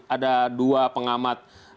ada dua pengamat